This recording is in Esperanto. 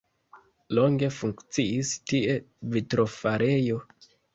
Longe funkciis tie vitrofarejo.